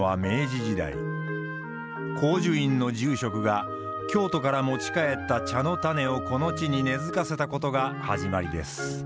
紅樹院の住職が京都から持ち帰った茶の種をこの地に根づかせたことが始まりです。